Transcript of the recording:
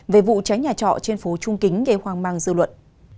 về vụ cháy nhà trọ trên phố trung kính gây hoang mang dư luận